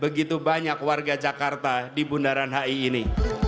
begitu banyak warga jakarta di bundaran hi ini